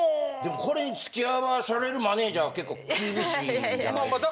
これに付き合わされるマネジャーは結構厳しいんじゃないですか？